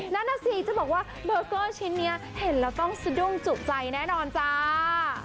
นั่นน่ะสิจะบอกว่าเบอร์เกอร์ชิ้นนี้เห็นแล้วต้องสะดุ้งจุใจแน่นอนจ้า